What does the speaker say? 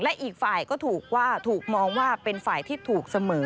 และอีกฝ่ายก็ถูกว่าถูกมองว่าเป็นฝ่ายที่ถูกเสมอ